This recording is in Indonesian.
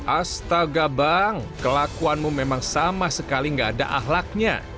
astaga bang kelakuanmu memang sama sekali gak ada ahlaknya